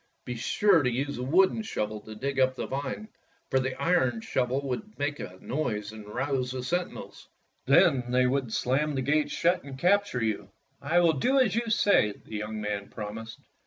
Be sure to use the wooden shovel to dig up the vine, for the iron shovel would make a noise and rouse the sentinels. Then they would slam the gates shut and capture you." 40 Fairy Tale Foxes "I will do as you say," the young man promised.